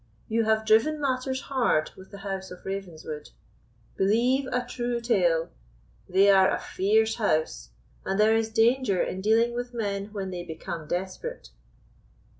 You have driven matters hard with the house of Ravenswood. Believe a true tale: they are a fierce house, and there is danger in dealing with men when they become desperate."